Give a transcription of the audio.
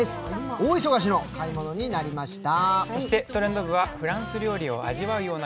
大忙しの買い物になりました。